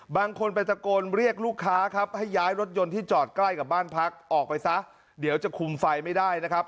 บางคนไปตะโกนเรียกลูกค้าครับให้ย้ายรถยนต์ที่จอดใกล้กับบ้านพักออกไปซะเดี๋ยวจะคุมไฟไม่ได้นะครับ